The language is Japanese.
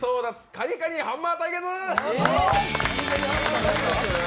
「カニカニハンマー」対決！